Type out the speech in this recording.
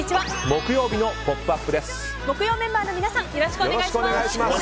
木曜メンバーの皆さんよろしくお願いします。